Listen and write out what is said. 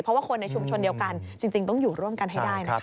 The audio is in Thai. เพราะว่าคนในชุมชนเดียวกันจริงต้องอยู่ร่วมกันให้ได้นะคะ